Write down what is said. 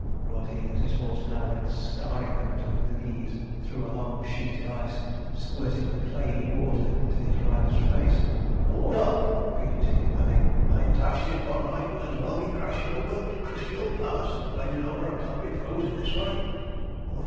roared he, as his horse now went starring up to the knees through a long sheet of ice, squirting the clayey water into his rider's face. 'Hold up!' repeated he, adding, 'I'm dashed if one mightn't as well be crashin' over the Christial Palace as ridin' over a country froze in this way!